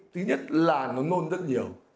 thứ nhất là nó nôn rất nhiều